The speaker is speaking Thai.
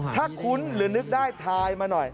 ถ้าคุ้นหรือนึกได้ทายมาหน่อย